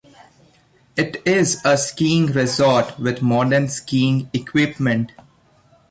It is a skiing resort with modern skiing equipment.